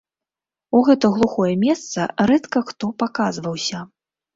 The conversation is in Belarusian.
У гэта глухое месца рэдка хто паказваўся.